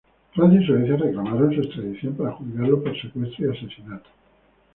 Francia y Suecia reclamaron su extradición para juzgarlo por secuestro y asesinato.